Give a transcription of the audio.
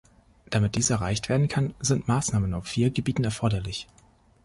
Damit dies erreicht werden kann, sind Maßnahmen auf vier Gebieten erforderlich.